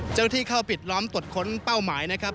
เจ้าหน้าที่เข้าปิดล้อมตรวจค้นเป้าหมายนะครับ